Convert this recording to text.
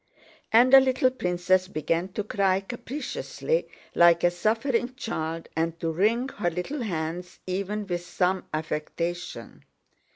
And the little princess began to cry capriciously like a suffering child and to wring her little hands even with some affectation.